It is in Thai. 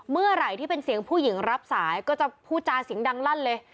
เมื่อไหร่ที่เป็นเสียงผู้หญิงรับสายก็จะพูดจาเสียงดังลั่นเลย